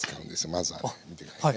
まずはね見て下さいね。